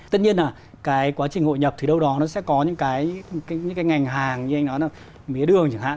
tất nhiên là cái quá trình hội nhập thì đâu đó nó sẽ có những cái ngành hàng như anh nói là mía đường chẳng hạn